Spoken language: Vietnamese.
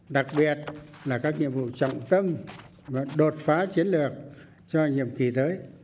đặc biệt là các nhiệm vụ trọng tâm và đột phá chiến lược cho nhiệm kỳ tới